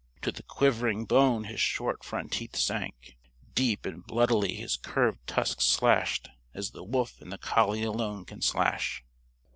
To the quivering bone his short front teeth sank. Deep and bloodily his curved tusks slashed as the wolf and the collie alone can slash.